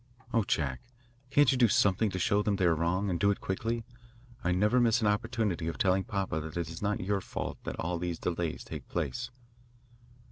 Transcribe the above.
Oh, Jack, can't you do something to show them they are wrong, and do it quickly? I never miss an opportunity of telling papa it is not your fault that all these delays take place."